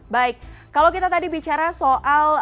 baik kalau kita tadi bicara soal